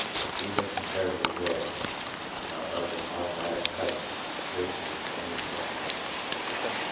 These are com paratively rare, and are of an automatic type not traceable to any apparent motive.